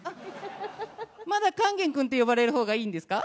まだ勸玄君って呼ばれるほうがいいんですか？